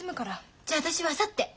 じゃあ私はあさって。